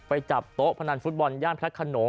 ไปจับโต๊ะพนันฟุตบอลย่านพระขนง